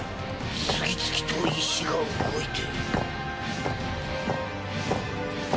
次々と石が動いて。